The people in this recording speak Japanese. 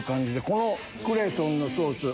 このクレソンのソース